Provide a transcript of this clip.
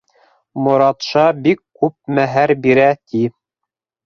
— Моратша бик күп мәһәр бирә, ти.